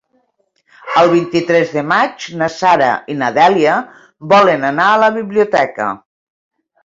El vint-i-tres de maig na Sara i na Dèlia volen anar a la biblioteca.